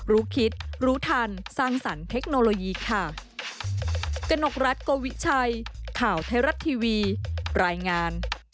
รู้คิดรู้ทันสร้างสรรค์เทคโนโลยีค่ะ